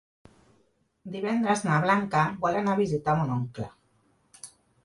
Divendres na Blanca vol anar a visitar mon oncle.